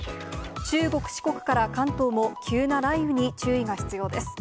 中国、四国から関東も、急な雷雨に注意が必要です。